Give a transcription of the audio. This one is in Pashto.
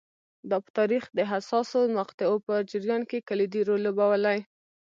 دا په تاریخ د حساسو مقطعو په جریان کې کلیدي رول لوبولی